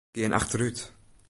Gean achterút.